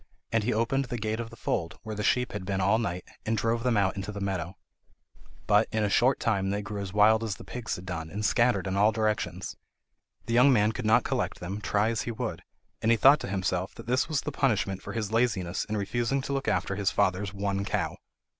And he opened the gate of the fold, where the sheep had been all night, and drove them out into the meadow. But in a short time they grew as wild as the pigs had done, and scattered in all directions. The young man could not collect them, try as he would, and he thought to himself that this was the punishment for his laziness in refusing to look after his father's one cow.